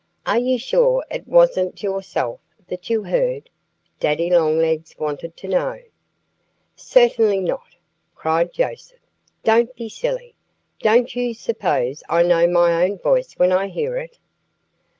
"Are you sure it wasn't yourself that you heard?" Daddy Longlegs wanted to know. "Certainly not!" cried Joseph. "Don't be silly! Don't you suppose I know my own voice when I hear it?"